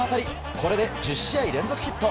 これで１０試合連続ヒット。